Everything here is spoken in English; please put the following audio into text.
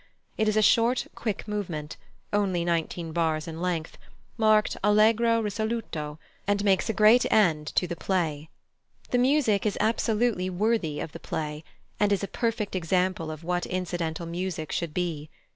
It is a short, quick movement, only nineteen bars in length, marked allegro risoluto, and makes a great end to the play. The music is absolutely worthy of the play, and is a perfect example of what incidental music should be.